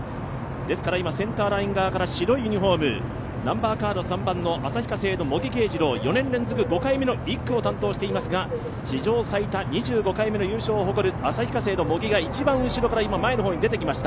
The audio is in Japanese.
今、センターライン側から白いユニフォーム３番の旭化成の茂木圭次郎、４年連続５回目の１区を担当していますが史上最多、２５回目の優勝を誇る旭化成の茂木が一番後ろから今、前の方に出てきました。